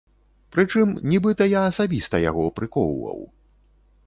Прычым нібыта я асабіста яго прыкоўваў!